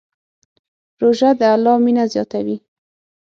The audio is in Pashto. روژه د الله مینه زیاتوي.